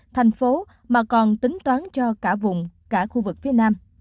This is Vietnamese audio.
thành phố mà còn tính toán cho cả vùng cả khu vực phía nam